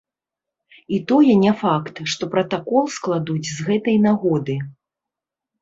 І тое не факт, што пратакол складуць з гэтай нагоды.